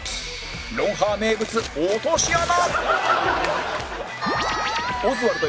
『ロンハー』名物落とし穴！